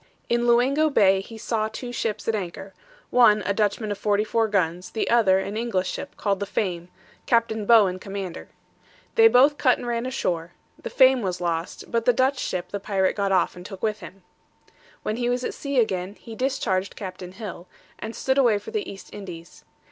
[Illustration: The Pirates riding the Priests about deck.] In Luengo Bay he saw two ships at anchor, one a Dutchman of 44 guns, the other an English ship, called the Fame, Capt. Bowen, commander. They both cut and ran ashore; the Fame was lost, but the Dutch ship the pirate got off and took with him. When he was at sea again, he discharged Captain Hill, and stood away for the East Indies.